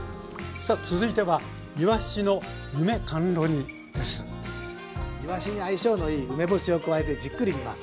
さあ続いてはいわしに相性のいい梅干しを加えてじっくり煮ます。